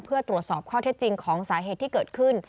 เพื่อตรวจสอบข้อเท็จจริงของสาเหตุที่เกิดขึ้น